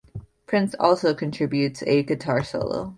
Prince also contributes a guitar solo.